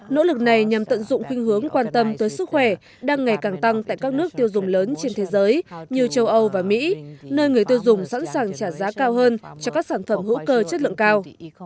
nỗ lực này nhằm tận dụng khuyên hướng quan tâm tới sức khỏe đang ngày càng tăng tại các nước tiêu dùng lớn trên thế giới như châu âu và mỹ nơi người tiêu dùng sẵn sàng trả giá cao hơn cho các sản phẩm hữu cơ chất lượng cao